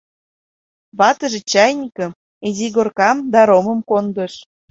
Ватыже чайникым, изигоркам да ромым кондыш.